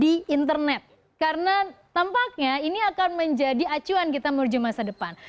di internet karena tampaknya ini akan menjadi acuan kita menuju masa depan